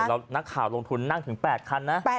แล้วนักข่าวลงทุนนั่งถึง๘คันนะ